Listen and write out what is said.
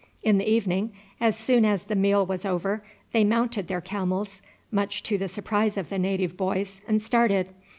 In the evening as soon as the meal was over they mounted their camels, much to the surprise of the native boys, and started.